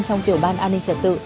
trong tiểu ban an ninh trật tự